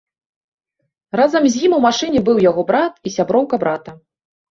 Разам з ім у машыне быў яго брат і сяброўка брата.